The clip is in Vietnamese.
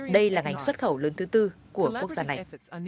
đây là ngành xuất khẩu lớn thứ tư của quốc gia này